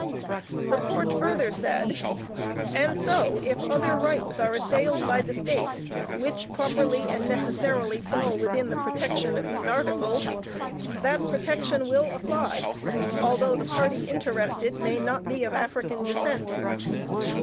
The Court further said, "And so if other rights are assailed by the States, which properly and necessarily fall within the protection of these articles, that protection will apply, though the party interested may not be of African descent."